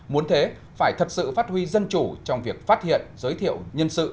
muốn thế phải thật sự phát huy dân chủ trong việc phát hiện giới thiệu nhân sự